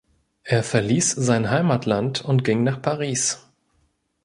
Er verließ sein Heimatland und ging nach Paris.